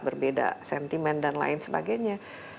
berbeda sentimen dan lain sebagainya